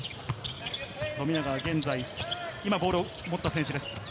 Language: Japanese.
富永は現在、今ボールを持った選手です。